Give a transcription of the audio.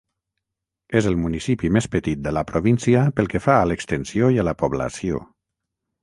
És el municipi més petit de la província pel que fa a l'extensió i a la població.